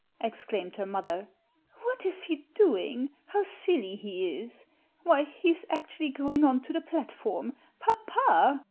exclaimed her mother. "What is he doing? How silly he is! Why, he's actually going on to the platform! Papa!"